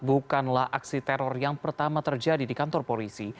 bukanlah aksi teror yang pertama terjadi di kantor polisi